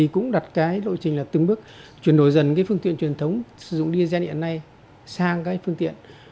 cũng đặt lộ trình từng bước chuyển đổi dần phương tiện truyền thống sử dụng diesel hiện nay sang phương tiện